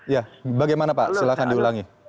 ya bagaimana pak silahkan diulangi